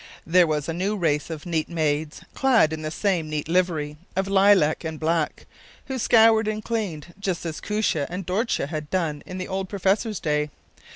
There was a new race of neat maids, clad in the same neat livery of lilac and black, who scoured and cleaned, just as Koosje and Dortje had done in the old professor’s day.